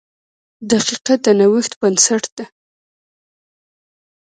• دقیقه د نوښت بنسټ ده.